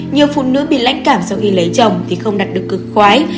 nhiều phụ nữ bị lãnh cảm sau khi lấy chồng thì không đặt được cực khoái